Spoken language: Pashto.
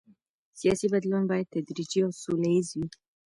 سیاسي بدلون باید تدریجي او سوله ییز وي